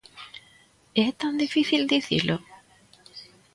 ¿É tan difícil dicilo?